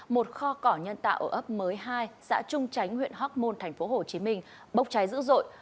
một kho cỏ nhân tạo ở ấp mới hai xã trung chánh huyện hóc môn tp hcm bốc cháy dữ dội